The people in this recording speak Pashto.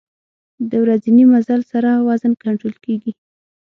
د ورځني مزل سره وزن کنټرول کېږي.